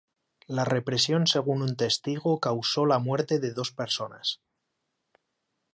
La represión según un testigo causó la muerte de dos personas.